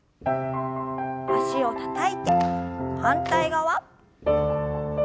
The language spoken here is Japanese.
脚をたたいて反対側。